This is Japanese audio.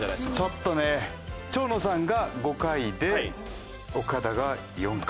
ちょっとね蝶野さんが５回でオカダが４回。